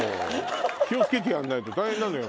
気を付けてやらないと大変なのよ